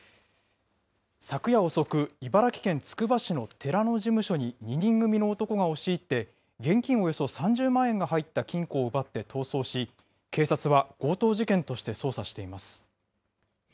昨夜遅く、茨城県つくば市の寺の事務所に、２人組の男が押し入って、現金およそ３０万円が入った金庫を奪って逃走し、警察は強盗事件として捜査しています。